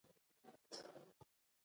دروازه مې خلاصه کړه او بېرته مې بنده کړه.